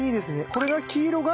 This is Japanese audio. これが黄色が？